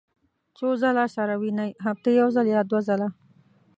څو ځله سره وینئ؟ هفتې یوځل یا دوه ځله